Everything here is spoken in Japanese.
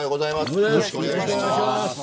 よろしくお願いします。